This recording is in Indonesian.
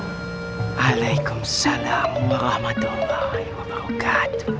waalaikumsalam warahmatullah wabarakatuh